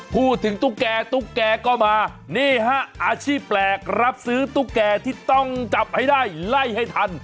ตุ๊กแก่ตุ๊กแกก็มานี่ฮะอาชีพแปลกรับซื้อตุ๊กแก่ที่ต้องจับให้ได้ไล่ให้ทัน